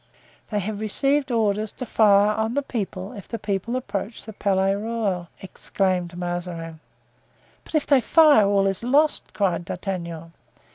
"They have received orders to fire on the people if the people approach the Palais Royal!" exclaimed Mazarin. "But if they fire, all is lost!" cried D'Artagnan.